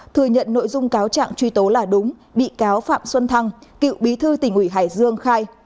thừa nhận nội dung cáo trạng truy tố là đúng bị cáo phạm xuân thăng cựu bí thư tỉnh ủy hải dương khai